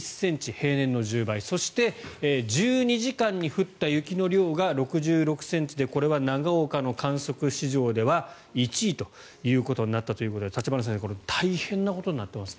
平年の１０倍そして１２時間に降った雪の量が６６ｃｍでこれは長岡の観測史上では１位ということになったということで立花先生大変なことになっていますね